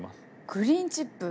グリーンチップ！